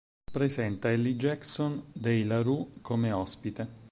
Presenta Elly Jackson dei La Roux come ospite.